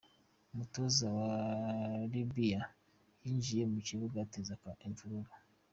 Umutoza wa Libya yinjiye mu kibuga ateza imvurure.